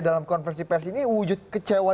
dalam konversi pers ini wujud kecewa